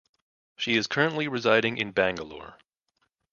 She is currently residing in Bangalore.